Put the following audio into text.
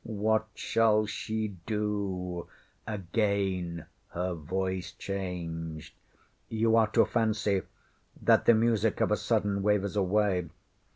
What shall she do? ŌĆÖ Again her voice changed. ŌĆśYou are to fancy that the music of a sudden wavers away.